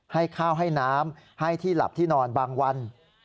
ให้ข้าวให้น้ำให้ที่หลับที่นอนบางวัน